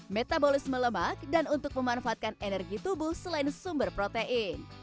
metabolisme lemak dan untuk memanfaatkan energi tubuh selain sumber protein